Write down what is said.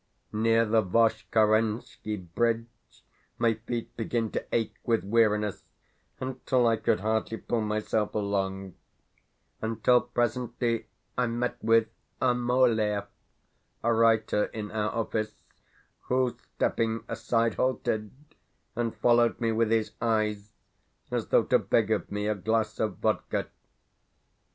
Near the Voskresenski Bridge my feet began to ache with weariness, until I could hardly pull myself along; until presently I met with Ermolaev, a writer in our office, who, stepping aside, halted, and followed me with his eyes, as though to beg of me a glass of vodka.